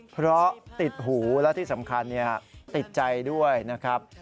เพราะติดหูและที่สำคัญติดใจด้วยนะครับ